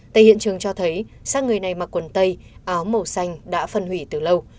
tại hiện trường cho thấy sát người này mặc quần tây áo màu xanh đã phân hủy từ lâu